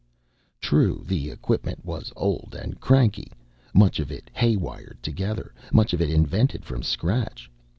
True, the equipment was old and cranky, much of it haywired together, much of it invented from scratch.